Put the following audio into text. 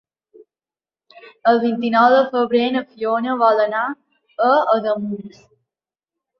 El vint-i-nou de febrer na Fiona vol anar a Ademús.